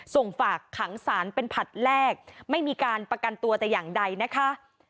ส่งฝากขังสารเป็นผลัดแรกไม่มีการประกันตัวแต่อย่างใดนะคะ